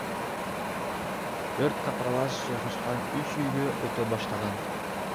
Өрт катарлаш жайгашкан үч үйгө өтө баштаган.